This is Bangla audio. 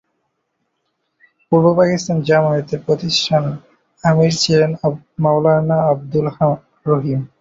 পূর্ব পাকিস্তান জামায়াতের প্রতিষ্ঠাতা আমির ছিলেন মাওলানা আব্দুর রহিম।